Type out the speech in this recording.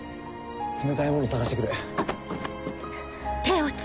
冷たいもの探して来る。